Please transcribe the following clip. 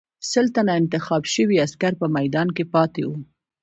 سل تنه انتخاب شوي عسکر په میدان کې پاتې وو.